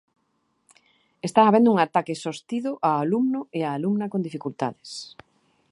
Está habendo un ataque sostido ao alumno e á alumna con dificultades.